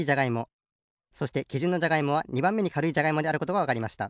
そしてきじゅんのじゃがいもは２ばんめにかるいじゃがいもであることがわかりました。